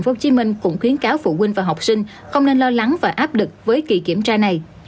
sở giáo dục đào tạo tp hcm cũng khuyến cáo phụ huynh và học sinh không nên lo lắng và áp đực với kỳ kiểm tra này